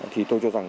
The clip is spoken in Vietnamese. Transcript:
thì tôi cho rằng